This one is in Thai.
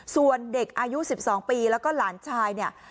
ส่วนเด็กอายุ๑๒ปีแล้วก็หลานชายเนี่ย